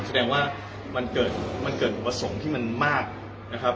แสดงว่ามันเกิดมันเกิดอุปสรรคที่มันมากนะครับ